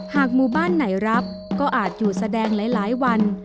หมู่บ้านไหนรับก็อาจอยู่แสดงหลายวัน